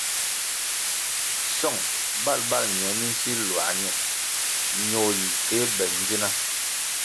Song bal bal ñiung mi nsil luā ñe ñoh yi kéh be ndzina.